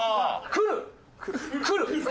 「来る」！